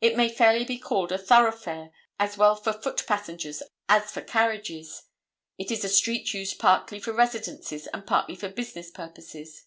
It may fairly be called a thoroughfare as well for foot passengers as for carriages. It is a street used partly for residences and partly for business purposes.